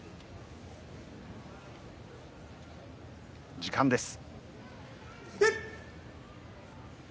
時間です。